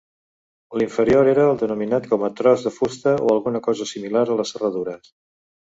L'inferior era el denominat com tros de fusta o alguna cosa similar a les serradures.